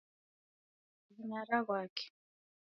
Wungara ghwake